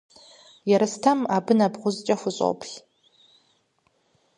Ерстэм абы нэбгъузкӏэ хущӏоплъ.